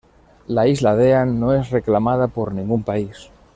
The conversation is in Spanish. La isla Dean no es reclamada por ningún país.